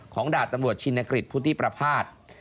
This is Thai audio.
ของดาบตำรวจชิณกฤษพูดที่ประพาส